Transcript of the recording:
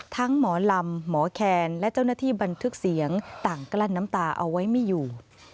หมอลำหมอแคนและเจ้าหน้าที่บันทึกเสียงต่างกลั้นน้ำตาเอาไว้ไม่อยู่